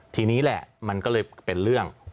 ทีนี้แหละมันก็เลยเป็นเรื่อง